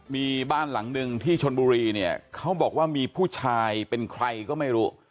มีบ้านหลังหนึ่งที่ชนบุรีเนี่ยเขาบอกว่ามีผู้ชายเป็นใครก็ไม่รู้